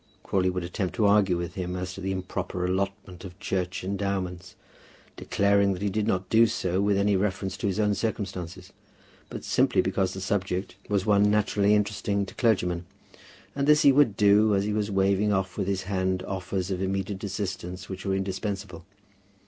Crawley would attempt to argue with him as to the improper allotment of Church endowments, declaring that he did not do so with any reference to his own circumstances, but simply because the subject was one naturally interesting to clergymen. And this he would do, as he was waving off with his hand offers of immediate assistance which were indispensable.